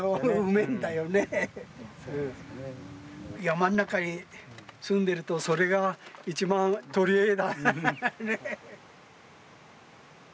山の中に住んでるとそれが一番取り柄だね。